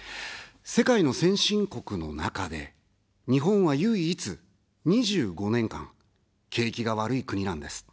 世界の先進国の中で、日本は唯一、２５年間、景気が悪い国なんです。